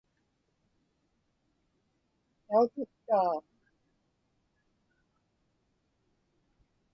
Tautuktaa.